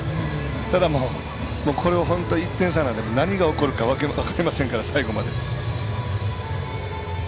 ただ、これは本当１点差なんで何が起こるか分かりませんから、最後まで。